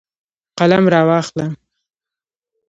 قلم راواخله.